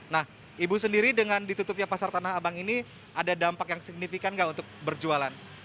nah ibu sendiri dengan ditutupnya pasar tanah abang ini ada dampak yang signifikan nggak untuk berjualan